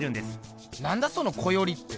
何だその「こより」って。